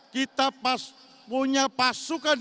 kita punya pasukan